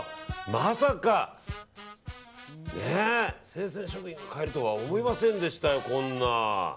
まさかね、生鮮食品が買えるとは思いませんでしたよ、こんな。